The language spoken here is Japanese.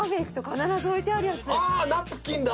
ナプキンだ。